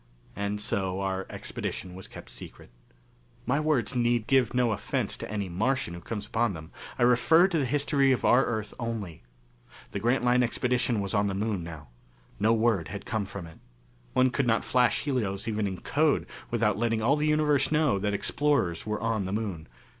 And so our expedition was kept secret. My words need give no offence to any Martian who comes upon them. I refer to the history of our Earth only. The Grantline Expedition was on the Moon now. No word had come from it. One could not flash helios even in code without letting all the universe know that explorers were on the Moon.